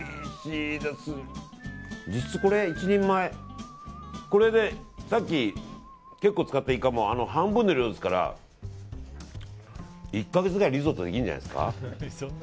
実質、１人前これでさっき結構使ったイカもあの半分の量ですから１か月くらいリゾットできるんじゃないですか。